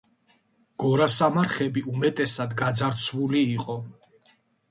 გორასამარხები უმეტესად გაძარცული იყო.